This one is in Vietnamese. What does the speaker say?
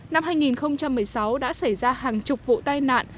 năm hai nghìn một mươi sáu đã xảy ra hàng chục vụ tai nạn